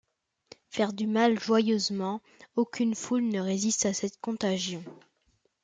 Faire du mal joyeusement, aucune foule ne résiste à cette contagion.